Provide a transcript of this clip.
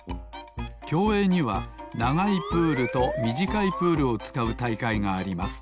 きょうえいにはながいプールとみじかいプールをつかうたいかいがあります